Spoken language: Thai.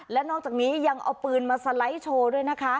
และนอกจากนี้ยังเอาปืนมาสไลด์โชว์ด้วยนะคะ